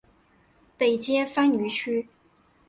北接番禺区。